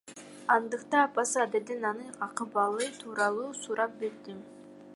Андыктан апасы Аделден анын акыбалы тууралуу сурап билдим.